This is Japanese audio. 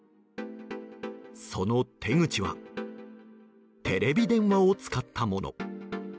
その手口はテレビ電話を使ったもの。